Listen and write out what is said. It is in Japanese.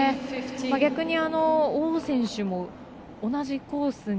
逆に王選手も同じコースに。